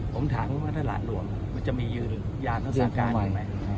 ผมถามว่าถ้าหลากหลวงมันจะมียืนยามทักษะการหรือไม่